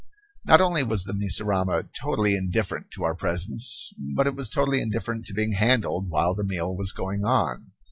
Not only was the mussurama totally indifferent to our presence, but it was totally indifferent to being handled while the meal was going on.